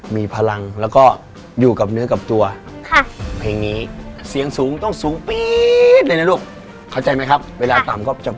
มีพลังจุดแล้วอยู่อยู่กับเนื้องตัว